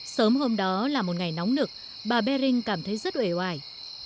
sớm hôm đó là một ngày nóng nực bà bering cảm thấy rất ế hoài